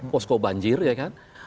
posko banjir ya kan